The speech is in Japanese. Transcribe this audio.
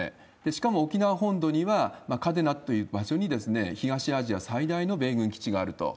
しかも、沖縄本土には嘉手納という場所に、東アジア最大の米軍基地があると。